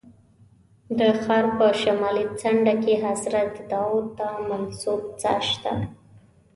د ښار په شمالي څنډه کې حضرت داود ته منسوب څاه شته.